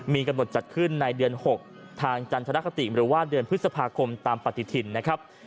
มีกำหนดจัดขึ้นในเดือนหกทางจันทรกษาติมริวาสเที่ยวเพศภาคมตามปฐิทินนะครับ